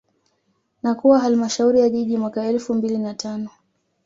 Na kuwa Halmashauri ya Jiji mwaka elfu mbili na tano